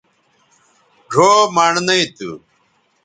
ڙھؤ مڑنئ تھو